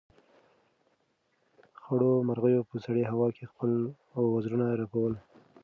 خړو مرغیو په سړه هوا کې خپل وزرونه رپول.